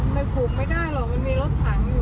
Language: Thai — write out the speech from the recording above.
มันผูกไม่ได้หรอกมันมีรถถังอยู่